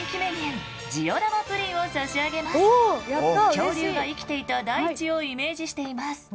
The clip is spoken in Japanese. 恐竜が生きていた大地をイメージしています。